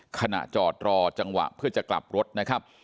ขณะจอดรอจังหวะเพื่อจะกลับรถนะครับ